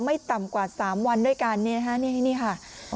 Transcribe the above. ไม่ต่ำกว่าสามวันด้วยกันเนี่ยค่ะนี่นี่ค่ะอ๋อ